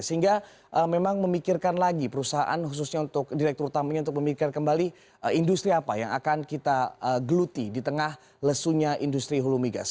sehingga memang memikirkan lagi perusahaan khususnya untuk direktur utamanya untuk memikirkan kembali industri apa yang akan kita geluti di tengah lesunya industri hulu migas